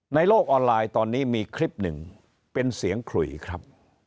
ในโลกออนไลน์ตอนนี้มีคลิปหนึ่งเป็นเสียงขลุยครับ